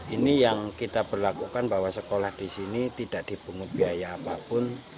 ini yang kita berlakukan bahwa sekolah di sini tidak dipungut biaya apapun